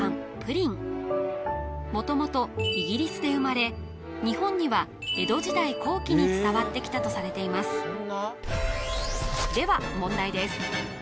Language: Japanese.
元々イギリスで生まれ日本には江戸時代後期に伝わってきたとされていますでは問題です